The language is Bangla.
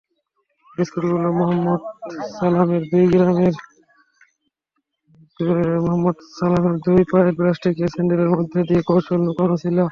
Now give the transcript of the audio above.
বিস্কুটগুলো মোহাম্মদ সালামের দুই পায়ের প্লাস্টিকের স্যান্ডেলের মধ্যে বিশেষ কৌশলে লুকানো ছিল।